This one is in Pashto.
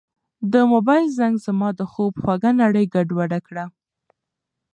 د موبایل زنګ زما د خوب خوږه نړۍ ګډوډه کړه.